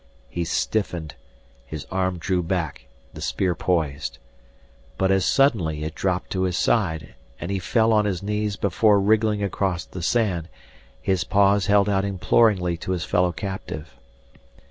He stiffened, his arm drew back, the spear poised. Then as suddenly it dropped to his side, and he fell on his knees before wriggling across the sand, his paws held out imploringly to his fellow captive.